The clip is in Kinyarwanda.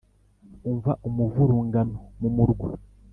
umva umuvurungano mu murwa